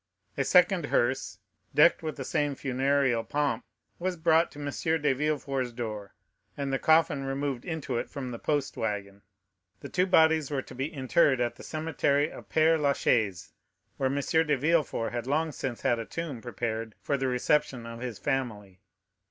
A second hearse, decked with the same funereal pomp, was brought to M. de Villefort's door, and the coffin removed into it from the post wagon. The two bodies were to be interred in the cemetery of Père Lachaise, where M. de Villefort had long since had a tomb prepared for the reception of his family.